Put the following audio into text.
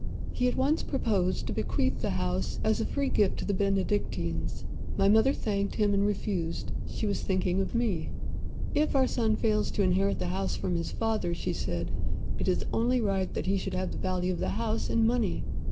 "He at once proposed to bequeath the house as a free gift to the Benedictines. My mother thanked him and refused. She was thinking of me. 'If our son fails to inherit the house from his father,' she said, 'it is only right that he should have the value of the house in money.